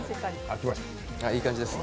いい感じです。